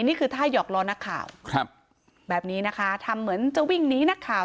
นี่คือท่าหยอกล้อนักข่าวครับแบบนี้นะคะทำเหมือนจะวิ่งหนีนักข่าว